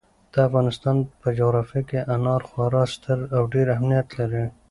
د افغانستان په جغرافیه کې انار خورا ستر او ډېر اهمیت لري.